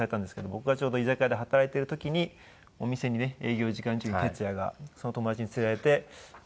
僕がちょうど居酒屋で働いている時にお店にね営業時間中にＴＥＴＳＵＹＡがその友達に連れられて会いに来て。